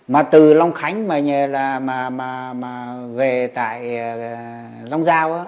mà từ long khánh mà về tại long giao